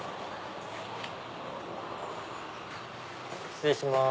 失礼します。